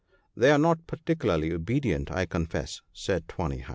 / 'They are not particularly obedient, I confess,' said Tawny hide.